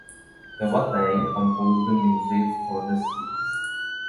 Towa Tei composed the music for the series.